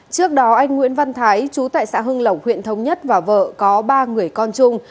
trước đó anh nguyễn văn thái chú tại xã hưng lộc huyện thống nhất và vợ có ba người con chung